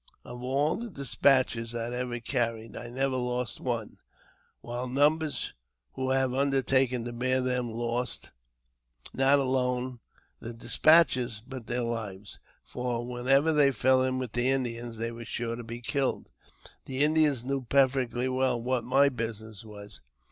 Of all the despatches I ever carried, I never lost one ; while numbers who have undertaken to bear them lost, not alone the de^atches, but their lives ; for, whenever they fell in with the Indians, they were sure to be killed. The Indians knew perfectly well what my business was.